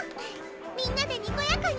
みんなでにこやかに！